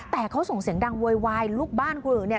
แต่เขาส่งเสียงดังโวยวายลูกบ้านคนอื่นเนี่ย